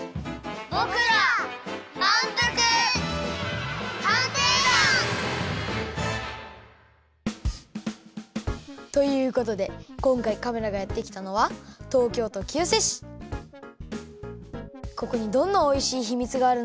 ぼくらまんぷく探偵団！ということでこんかいカメラがやってきたのはここにどんなおいしいひみつがあるんだろう？